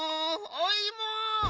おいも！